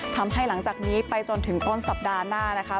ทำให้หลังจากนี้ไปจนถึงต้นสัปดาห์หน้า